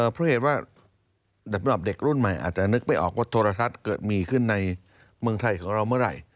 เพราะเหตุว่าสำหรับเด็กรุ่นใหม่อาจจะนึกไม่ออกว่าโทรทัศน์เกิดมีขึ้นในเมืองไทยของเราเมื่อไหร่